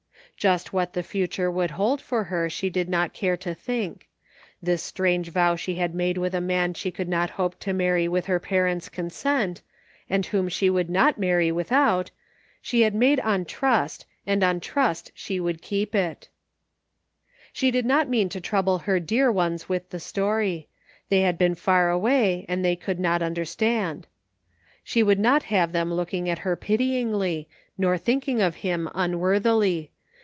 Just what the future would hold for her she did not care to think. This strange vow she had made with a man she could not hope to marry with her parents' consent, and whom she would not marry with out, she had made on trust and on trust she would keep it She did not mean to trouble her dear ones with 246 THE FINDING OF JASPER HOLT the story. They had been far away and they could not understand. She would not have them looking at her pityingly, nor thinking of him unworthily.